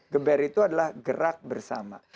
geber itu adalah gerak bersama